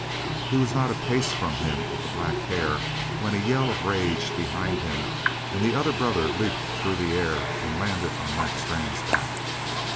He was not a pace from him of the black hair when a yell of rage behind him and the other brother leaped through the air and landed on Mac Strann's back.